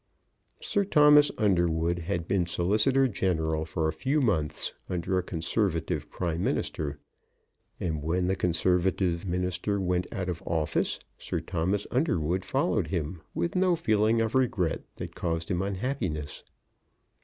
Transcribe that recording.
Sir Thomas Underwood had been Solicitor General for a few months under a Conservative Prime Minister; and when the Conservative Minister went out of office, Sir Thomas Underwood followed him with no feeling of regret that caused him unhappiness.